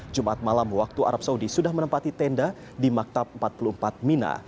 jumat malam waktu arab saudi sudah menempati tenda di maktab empat puluh empat mina